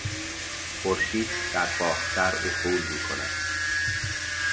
خورشید در باختر افول میکند.